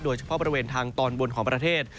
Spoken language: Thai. โดยเฉพาะบริเวณทางตอนบนของประเทศ